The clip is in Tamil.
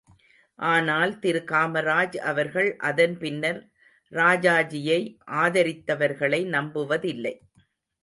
ஆனால் திரு காமராஜ் அவர்கள் அதன் பின்னர் ராஜாஜியை ஆதரித்தவர்களை நம்புவதில்லை.